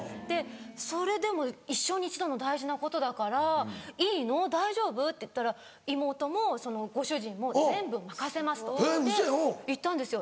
それでも一生に一度の大事なことだから「いいの？大丈夫？」って言ったら妹もご主人も「全部任せます」って言ったんですよ。